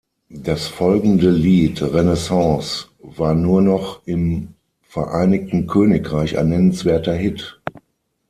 Das folgende Lied "Renaissance" war nur noch im Vereinigten Königreich ein nennenswerter Hit.